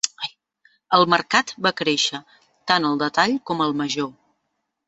El mercat va créixer, tant al detall com al major.